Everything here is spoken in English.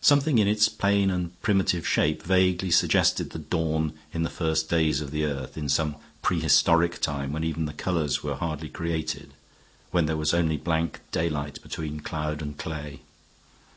Something in its plain and primitive shape vaguely suggested the dawn in the first days of the earth, in some prehistoric time when even the colors were hardly created, when there was only blank daylight between cloud and clay.